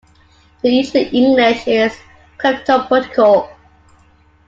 The usual English is "cryptoportico".